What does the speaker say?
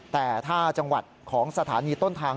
แต่ถ้าจังหวัดของสถานีต้นทาง